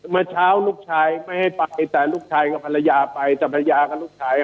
เมื่อเช้าลูกชายไม่ให้ไปแต่ลูกชายกับภรรยาไปแต่ภรรยากับลูกชาย